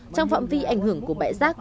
trong phạm vi ảnh hưởng của bãi rác